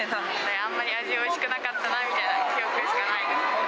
あんまり、味おいしくなかったなみたいな記憶しかないです。